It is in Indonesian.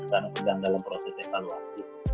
karena sedang dalam proses evaluasi